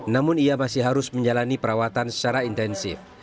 namun ia masih harus menjalani perawatan secara intensif